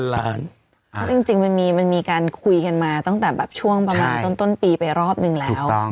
เพราะจริงมันมีการคุยกันมาตั้งแต่แบบช่วงประมาณต้นปีไปรอบนึงแล้ว